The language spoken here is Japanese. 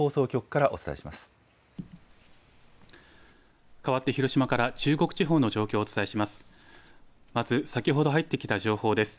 かわって広島から中国地方の状況をお伝えします。